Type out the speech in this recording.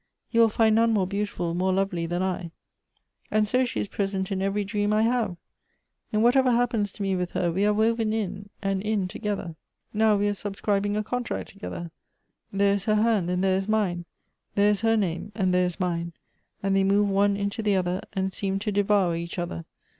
You will find none more beautiful, more lovely than I.' And so she is Dresent in every dream I have. In whatever happens to aie with her, we are woven in and in together. Now we are subscribing a contract together. Thei e is her land, and there is mine ; there is her name, and there is nine ; and they move one into the other, and seem to levour each other.